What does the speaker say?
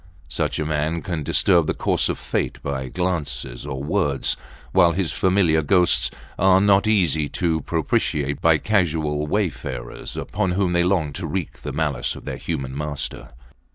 Such a man can disturb the course of fate by glances or words; while his familiar ghosts are not easy to propitiate by casual wayfarers upon whom they long to wreak the malice of their human master.